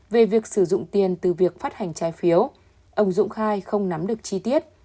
về việc sử dụng tiền từ việc phát hành trái phiếu ông dũng khai không nắm được chi tiết